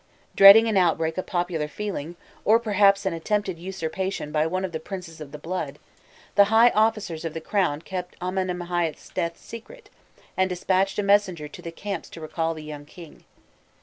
Dreading an outbreak of popular feeling, or perhaps an attempted usurpation by one of the princes of the blood, the high officers of the crown kept Amenemhâît's death secret, and despatched a messenger to the camp to recall the young king.